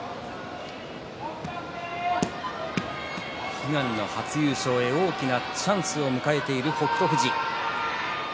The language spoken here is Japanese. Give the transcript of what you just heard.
悲願の初優勝へ、大きなチャンスを迎えている北勝富士。